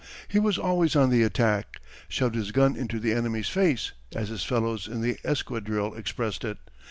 He was always on the attack "shoved his gun into the enemy's face" as his fellows in the escadrille expressed it.